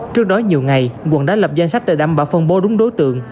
trước đó nhiều ngày quận đã lập danh sách để đảm bảo phân bố đúng đối tượng